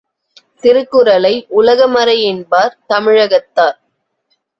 திருக்குறளை உலகமறை என்பார் தமிழகத்தார்.